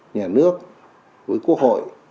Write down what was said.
nhà nước với quốc hội